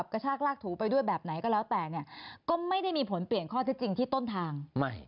ก็ประมาณ๕โมง